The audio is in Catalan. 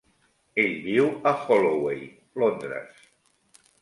Ell viu a Holloway, Londres.